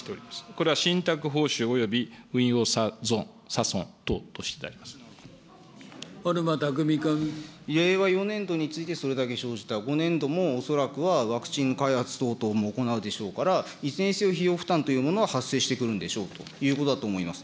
これは信託報酬および運用差損等としてであります。令和４年度においてそれだけ生じた、５年度も恐らくはワクチン開発等々も行うでしょうから、いずれにせよ費用負担というものは発生してくるんでしょうということだと思います。